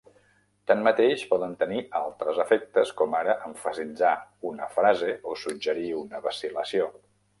Tanmateix, poden tenir altres efectes, com ara emfasitzar una frase o suggerir una vacil·lació.